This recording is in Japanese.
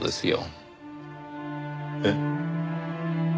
えっ？